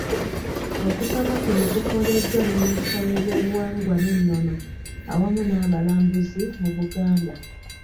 Okusaba kuno kukoleddwa Minisita w'ebyobuwangwa n'ennono awamu n'obulambuzi mu Buganda.